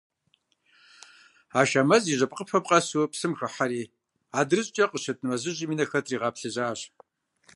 Ашэмэз и жьэпкъыпэм къэсу псым хыхьэри, адырыщӏкӏэ къыщыт мэзыжьым и нэхэр тригъэплъызащ.